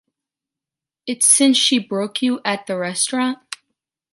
It’s since she broke you at the restaurant?